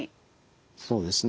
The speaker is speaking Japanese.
そうですね。